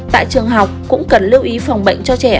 tại trường học cũng cần lưu ý phòng bệnh cho trẻ